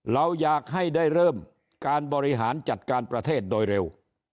เราอยากให้ได้เริ่มการบริหารจัดการประเทศโดยเร็ว